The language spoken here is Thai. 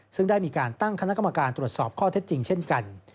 ซึ่งได้มีการตั้งคณะกรรมการตรวจสอบข้อเท็จจริงเช่นกัน